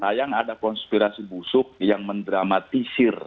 sayang ada konspirasi busuk yang mendramatisir